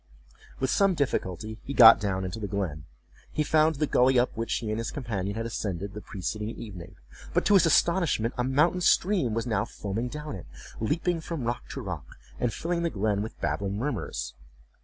With some difficulty he got down into the glen: he found the gully up which he and his companion had ascended the preceding evening; but to his astonishment a mountain stream was now foaming down it, leaping from rock to rock, and filling the glen with babbling murmurs.